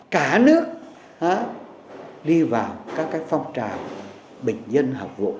cả nước đi vào các phong trào bình dân học vụ